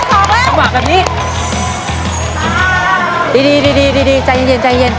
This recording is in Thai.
ต้องหาแบบนี้ดีดีดีดีดีดีใจเย็นใจเย็น